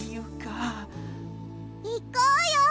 いこうよ！